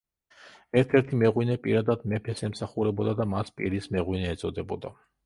ერთ-ერთი მეღვინე პირადად მეფეს ემსახურებოდა და მას „პირის მეღვინე“ ეწოდებოდა.